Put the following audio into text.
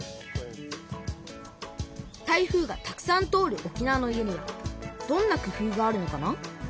台風がたくさん通る沖縄の家にはどんな工夫があるのかな？